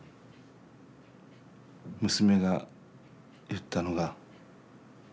娘が言ったのが。